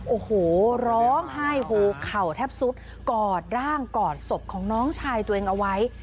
โอ้โหร้องไห้โหเข่าแทบสุดกอดร่างกอดศพของน้องชายตัวเองเอาไว้